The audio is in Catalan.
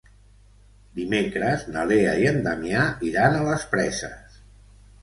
Dimecres na Lea i en Damià iran a les Preses.